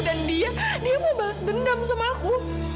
dan dia dia mau balas bendam sama aku